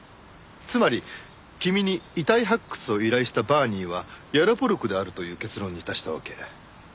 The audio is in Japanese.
つまり君に遺体発掘を依頼したバーニーはヤロポロクであるという結論に達したわけ。